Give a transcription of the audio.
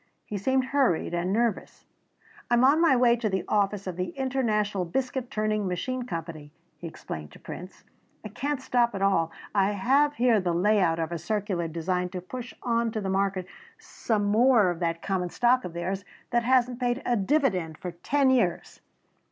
He seemed hurried and nervous. "I am on my way to the office of the International Biscuit Turning Machine Company," he explained to Prince. "I can't stop at all. I have here the layout of a circular designed to push on to the market some more of that common stock of theirs that hasn't paid a dividend for ten years."